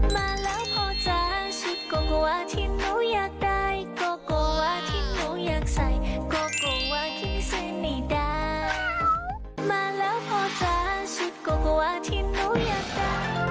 มาแล้วเพราะสร้างสิทธิ์ก็กลัวทิศหนุนยักษ์ค่ะ